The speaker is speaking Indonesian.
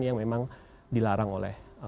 yang memang dilarang oleh